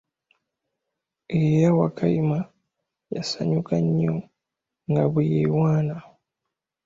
Era Wakayima yasanyuka nnyo nga bwe yewaana.